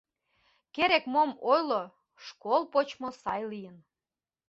Керек-мом ойло, школ почмо сай лийын.